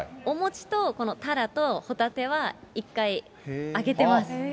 お餅とこのタラとホタテは一回、揚げてます。